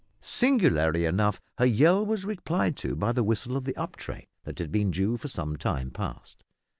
Singularly enough her yell was replied to by the whistle of the up train, that had been due for some time past.